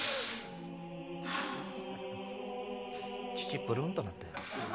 乳ブルンとなった。